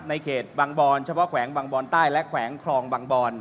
ในเขตบางบอนเฉพาะแขวงบางบอนใต้และแขวงคลองบางบอน